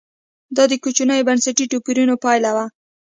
دا د کوچنیو بنسټي توپیرونو پایله وه